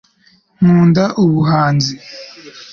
nkunda ubuhanzi